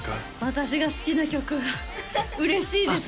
私が好きな曲が嬉しいです